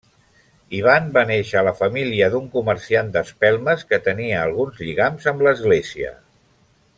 Ivan va néixer a la família d'un comerciant d'espelmes que tenia alguns lligams amb l'Església.